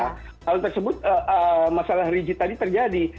hal tersebut masalah rigid tadi terjadi